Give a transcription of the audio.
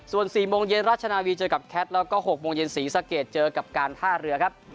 ส่วน๔โมงเย็นราชนาวีเจอกับแคทแล้วก็๖โมงเย็นศรีสะเกดเจอกับการท่าเรือครับ